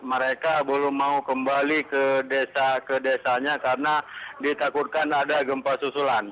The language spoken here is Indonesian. mereka belum mau kembali ke desa ke desanya karena ditakutkan ada gempa susulan